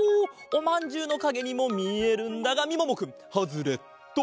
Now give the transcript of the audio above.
おまんじゅうのかげにもみえるんだがみももくんハズレット！